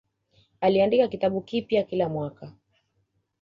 Aliandika kitabu kipya kila mwaka